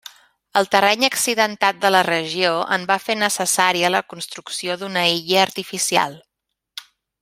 El terreny accidentat de la regió en va fer necessària la construcció d'una illa artificial.